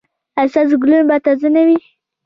ایا ستاسو ګلونه به تازه نه وي؟